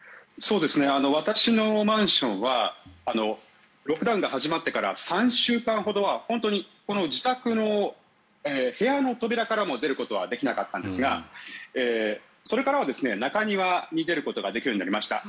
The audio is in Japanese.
私のマンションはロックダウンが始まってから３週間ほどは本当に自宅の部屋の扉からも出ることはできなかったんですがそれからは中庭に出ることができるようになりました。